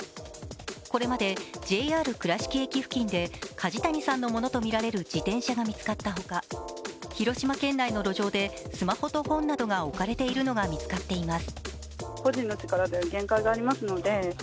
これまでＪＲ倉敷駅付近で梶谷さんのものとみられる自転車が見つかった他、広島県内の路上でスマートフォンなどが置かれているのが見つかっています。